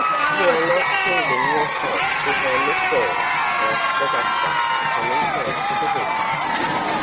'You are not shielding yourself behind this girl?' asked the doctor, coming close to him.